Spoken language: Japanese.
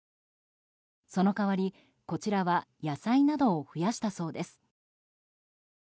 その代わり、こちらは野菜などを増やしたそうです。